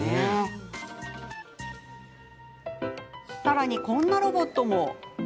さらに、こんなロボットも。